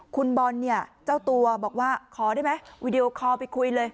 คุณบอลเนี่ยเจ้าตัวบอกว่าขอได้ไหมวีดีโอคอลไปคุยเลย